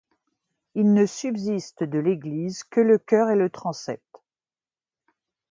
Il ne subsiste de l'église que le chœur et le transept.